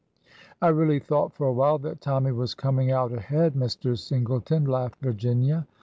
'' I really thought for a while that Tommy was coming out ahead, Mr. Singleton,'' laughed Virginia.